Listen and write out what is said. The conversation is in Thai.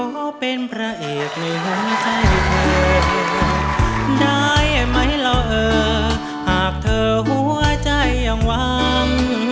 ขอเป็นพระเอกในหัวใจเธอได้ไหมล่ะเออหากเธอหัวใจยังหวัง